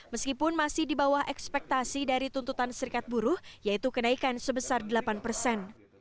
meskipun masih di bawah ekspektasi dari tuntutan serikat buruh yaitu kenaikan sebesar delapan persen